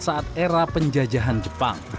saat era penjajahan jepang